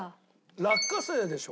落花生でしょ。